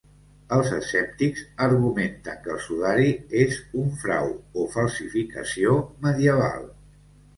Els escèptics argumenten que el sudari és un frau o falsificació medieval.